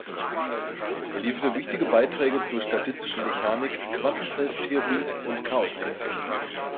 Er lieferte wichtige Beiträge zur Statistischen Mechanik, Quantenfeldtheorie und Chaostheorie.